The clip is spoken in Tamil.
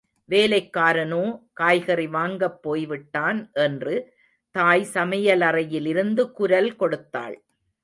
வேலைக்காரனோ காய்கறி வாங்கப் போய்விட்டான் என்று தாய் சமையலறையிலிருந்து குரல் கொடுத்தாள்.